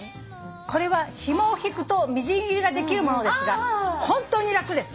「これはひもを引くとみじん切りができるものですが本当に楽です。